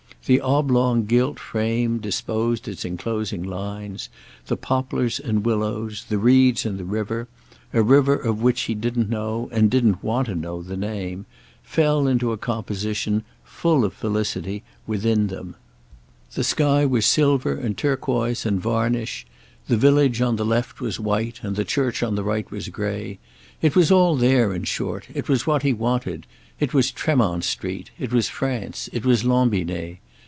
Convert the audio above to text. The oblong gilt frame disposed its enclosing lines; the poplars and willows, the reeds and river—a river of which he didn't know, and didn't want to know, the name—fell into a composition, full of felicity, within them; the sky was silver and turquoise and varnish; the village on the left was white and the church on the right was grey; it was all there, in short—it was what he wanted: it was Tremont Street, it was France, it was Lambinet.